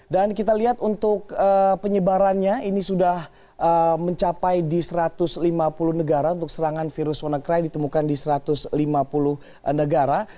dan kita lihat untuk penyebarannya ini sudah mencapai di satu ratus lima puluh negara untuk serangan virus wannacry ditemukan di satu ratus lima puluh negara